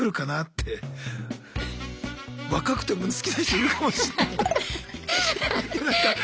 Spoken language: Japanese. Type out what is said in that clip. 若くても好きな人いるかもしんないのに。